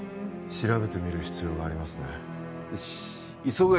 調べてみる必要がありますねよし磯ヶ